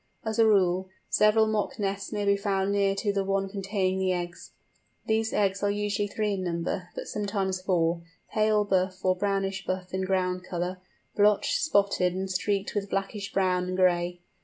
As a rule, several mock nests may be found near to the one containing the eggs. These eggs are usually three in number, but sometimes four, pale buff or brownish buff in ground colour, blotched, spotted, and streaked with blackish brown and gray.